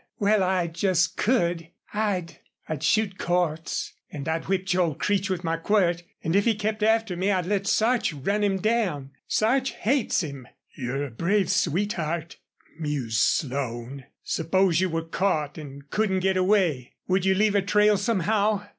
Well, I just could. I'd I'd shoot Cordts. And I'd whip Joel Creech with my quirt. And if he kept after me I'd let Sarch run him down. Sarch hates him." "You're a brave sweetheart," mused Slone. "Suppose you were caught an' couldn't get away. Would you leave a trail somehow?"